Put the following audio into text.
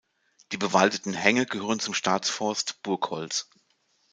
Die bewaldeten Hänge gehören zum Staatsforst Burgholz.